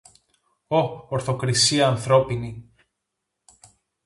Ω, ορθοκρισία ανθρώπινη!